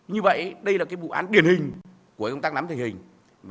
như vậy đây là cái vụ án điển hình của công tác nắm thể hình và công tác chỉ đạo nghiệp vụ